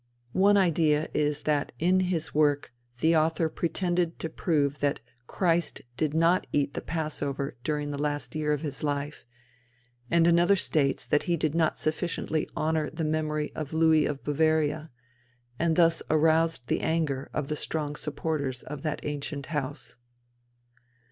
One idea is that in his work the author pretended to prove that Christ did not eat the passover during the last year of His life; and another states that he did not sufficiently honour the memory of Louis of Bavaria, and thus aroused the anger of the strong supporters of that ancient house.